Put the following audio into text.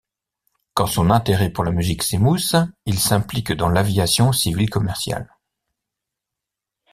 Quand son intérêt pour la musique s'émousse, il s'implique dans l'aviation civile commerciale.